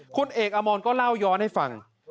คุณเอกอมรก็เล่าย้อนให้ฟัง